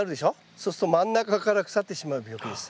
そうすると真ん中から腐ってしまう病気です。